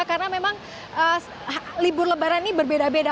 karena memang libur lebaran ini berbeda beda